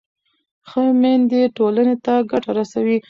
ښه میندې ټولنې ته ګټه رسوي.